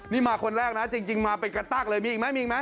นี่มาคนแรกนะจริงมาเป็นกระตากเลยมีอีกมั้ยมีอีกมั้ย